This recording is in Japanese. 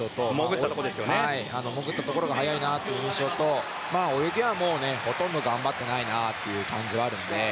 潜ったところが速いという印象と泳ぎはほとんど頑張ってないなという感じはあるので。